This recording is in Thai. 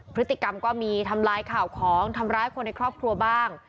พฤติกรรมก็มีทำร้ายข่าวของทำร้ายคนในครอบครัวบ้าง